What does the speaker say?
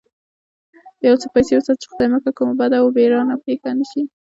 يو څه پيسې وساته چې خدای مکړه کومه بده و بېرانه پېښه نه شي.